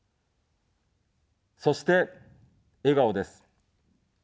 そして、笑顔です。